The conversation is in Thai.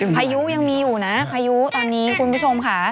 พายุยังมีอยู่นะพายุตอนนี้คุณผู้ชมค่ะ